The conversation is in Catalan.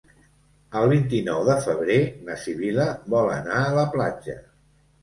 El vint-i-nou de febrer na Sibil·la vol anar a la platja.